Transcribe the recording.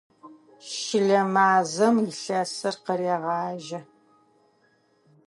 Щылэ мазэм илъэсыр къырегъажьэ.